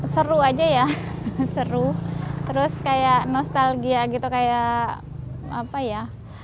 seru aja ya seru terus kayak nostalgia gitu kayak apa ya